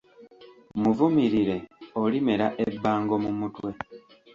Muvumirire olimera ebbango mu mutwe